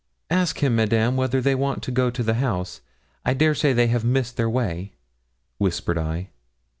'Ask him, Madame, whether they want to go to the house; I dare say they have missed their way,' whispered I.